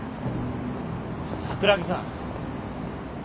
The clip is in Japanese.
桜木さん。